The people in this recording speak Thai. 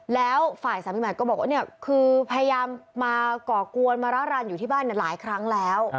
แล้วฝ่ายสามีใหม่ก็บอกว่าเนี่ยคือพยายามมาก่อกวนมาร่ารันอยู่ที่บ้านหลายครั้งแล้ว